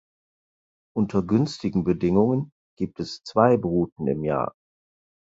Unter günstigen Bedingungen gibt es zwei Bruten im Jahr.